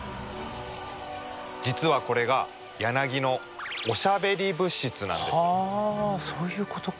実はこれがヤナギのそういうことか。